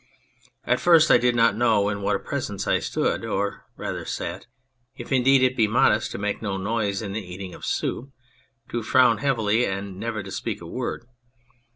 At first I did not know in what a Presence I stood or rather sat for he was very modest, if indeed it be modest to make no noise in the eating of soup, to frown heavily, and never to speak a word.